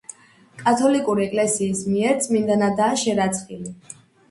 კათოლიკური ეკლესიის მიერ წმინდანადაა შერაცხილი.